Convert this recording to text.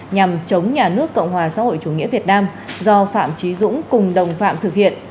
nhằm chống nhà nước cộng hòa xã hội chủ nghĩa việt nam do phạm trí dũng cùng đồng phạm thực hiện